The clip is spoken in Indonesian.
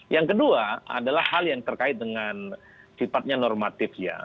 yang kedua adalah hal yang terkait dengan sifatnya normatif ya